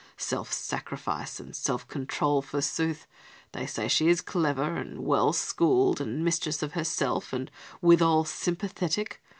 Self sacrifice and self control forsooth! They say she is clever and well schooled and mistress of herself and withal sympathetic.